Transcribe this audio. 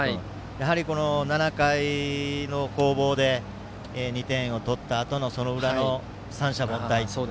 やはり、７回の攻防で２点をとったあとのその裏の三者凡退。